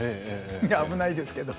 危ないですけど。